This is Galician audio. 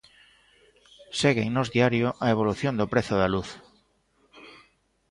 Segue en Nós Diario a evolución do prezo da luz.